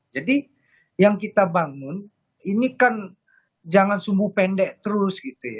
jadi yang kita bangun ini kan jangan sumbu pendek terus gitu ya